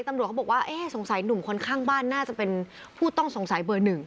ตำรวจเขาบอกว่าเอ๊ะสงสัยหนุ่มคนข้างบ้านน่าจะเป็นผู้ต้องสงสัยเบอร์หนึ่ง